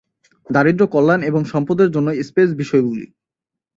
দারিদ্র্য, কল্যাণ এবং সম্পদের জন্য "স্পেস বিষয়গুলি"।